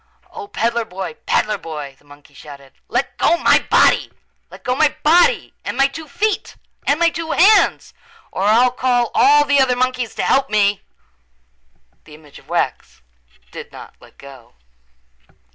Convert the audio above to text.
"O, peddler boy, peddler boy," the monkey shouted, "let go my body! Let go my body and my two feet and my two hands or I'll call all the other monkeys to help me!" The image of wax did not let go.